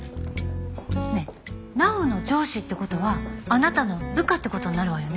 ねえ直央の上司って事はあなたの部下って事になるわよね？